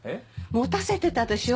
持たせてたでしょ。